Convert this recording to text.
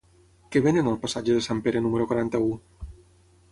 Què venen al passatge de Sant Pere número quaranta-u?